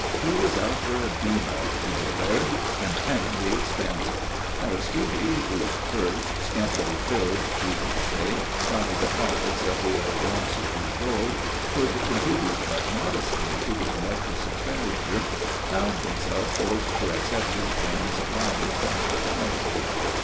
He was out for a beano, he declared, and hang the expense! Aristide, whose purse, scantily filled (truth to say) by the profits of the Agence Pujol, could contribute but modestly to this reckless expenditure, found himself forced to accept his friend's lavish hospitality.